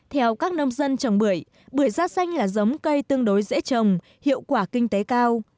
theo các nông dân trồng bưởi bưởi da xanh là giống cây tương đối dễ trồng hiệu quả kinh tế cao